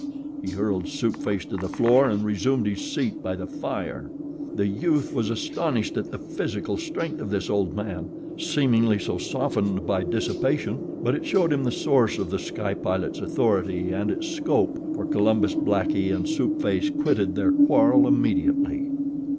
He hurled Soup Face to the floor and resumed his seat by the fire. The youth was astonished at the physical strength of this old man, seemingly so softened by dissipation; but it showed him the source of The Sky Pilot's authority and its scope, for Columbus Blackie and Soup Face quitted their quarrel immediately.